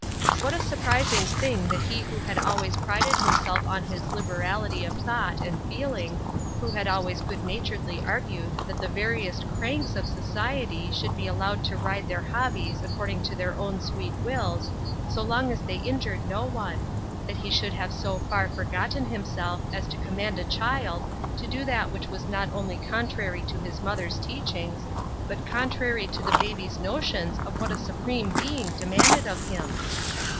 What a surprising thing that he who had always prided himself on his liberality of thought and feeling, who had always good naturedly argued that the veriest cranks of society should be al lowed to ride their hobbies according to their own sweet wills, so long as they injured no one; that he should have so far forgotten himself as to command a child to do that which was not only contrary to his mother's teachings, but contrary to the baby's notions of what a Supreme Being demanded of him